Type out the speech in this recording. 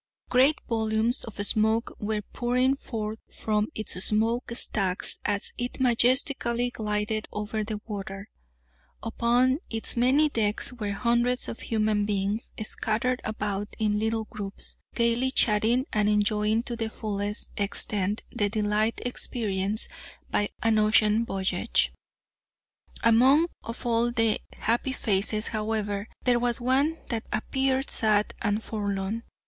Great volumes of smoke were pouring forth from its smoke stacks as it majestically glided over the water. Upon its many decks were hundreds of human beings, scattered about in little groups, gaily chatting and enjoying to the fullest extent the delight experienced by an ocean voyage. Among all of the happy faces, however, there was one that appeared sad and forlorn.